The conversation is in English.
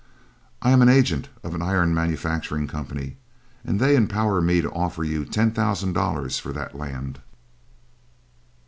I am agent of an iron manufacturing company, and they empower me to offer you ten thousand dollars for that land."